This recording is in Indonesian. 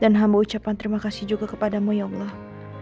dan hamba ucapan terima kasih juga kepada mu ya allah